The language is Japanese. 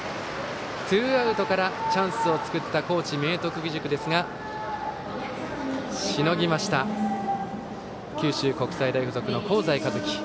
ツーアウトからチャンスを作った高知・明徳義塾ですがしのぎました九州国際大付属の香西一希。